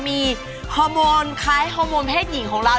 มีฮอร์โมนคล้ายฮอร์โมนเพศหญิงของเรา